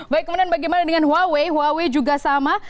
baik kemudian bagaimana dengan huawei huawei juga sama